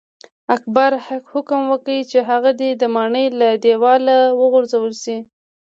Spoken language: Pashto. اکبر حکم وکړ چې هغه دې د ماڼۍ له دیواله وغورځول شي.